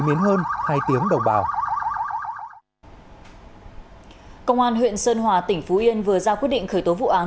miến hơn hai tiếng đồng bào công an huyện sơn hòa tỉnh phú yên vừa ra quyết định khởi tố vụ án